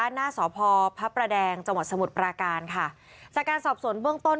หน้าพพแดงจสมุทรประการค่ะจากการสอบสนเบื้องต้น